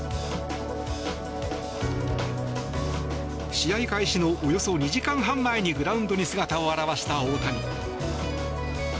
試合開始のおよそ２時間半前にグラウンドに姿を現した大谷。